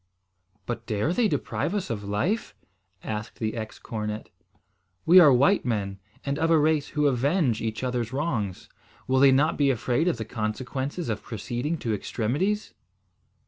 "But dare they deprive us of life?" asked the ex cornet. "We are white men, and of a race who avenge each other's wrongs. Will they not be afraid of the consequences of proceeding to extremities?"